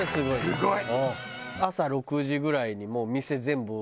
すごい。